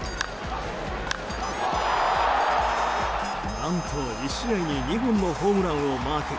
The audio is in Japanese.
何と１試合に２本のホームランをマーク。